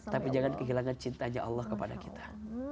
tapi jangan kehilangan cintanya allah kepada kita